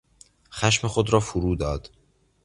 خشم خود را فرو داد.